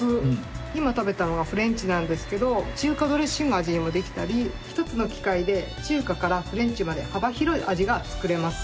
今食べたのがフレンチなんですけど中華ドレッシング味にもできたり一つの機械で中華からフレンチまで幅広い味が作れます。